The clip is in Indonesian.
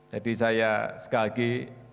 jadi saya sekali lagi